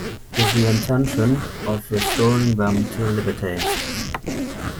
With the intention of restoring them to liberty.